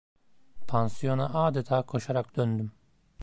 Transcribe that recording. Pansiyona adeta koşarak döndüm.